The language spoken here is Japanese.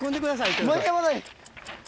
間に合わない！